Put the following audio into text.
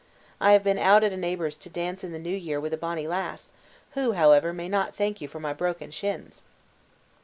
I have been out at a neighbor's to dance in the new year with a bonny lass, who, however, may not thank you for my broken shins!"